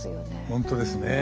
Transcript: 本当ですね。